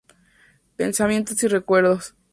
Pensamientos y recuerdos".